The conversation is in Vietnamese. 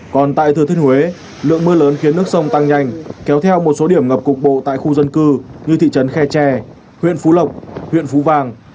còn tại thừa thiên huế lượng mưa lớn khiến nước sông tăng nhanh kéo theo một số điểm ngập cục bộ tại khu dân cư như thị trấn khe tre huyện phú lộc huyện phú vàng